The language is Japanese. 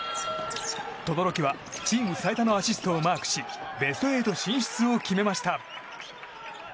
轟はチーム最多のアシストをマークしベスト８進出を決めました。